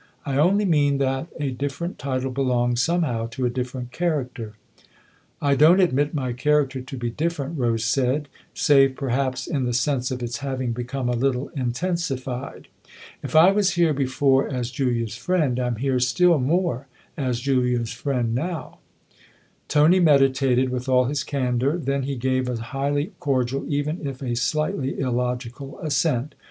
I only mean that a different title belongs, somehow, to a different character." " I don't admit 1113' character to be different," Rose said ;" save perhaps in the sense of its having become a little intensified. If I was here before as 152 THE OTHER HOUSE Julia's friend, I'm here still more as Julia's friend now." Tony meditated, with all his candour; then he gave a highly cordial, even if a slightly illogical assent.